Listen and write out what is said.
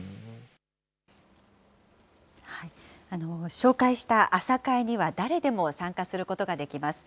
紹介した朝会には誰でも参加することができます。